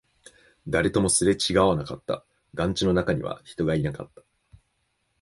誰ともすれ違わなかった、団地の中には人がいなかった